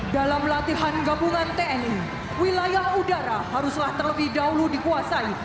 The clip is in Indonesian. dalam latihan gabungan tni wilayah udara haruslah terlebih dahulu dikuasai